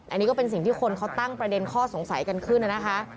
อันนี้ก็เป็นสิ่งที่คนเขาตั้งประเด็นข้อสงสัยกันขึ้นนะคะ